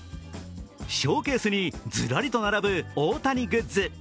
ショーケースにずらりと並ぶ大谷グッズ。